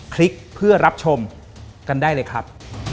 คลิกเพื่อรับชมกันได้เลยครับ